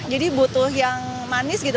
jadi butuh yang manis gitu